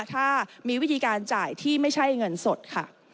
ถ้ามีวิธีการจ่ายที่ไม่ใช่เงินสดค่ะ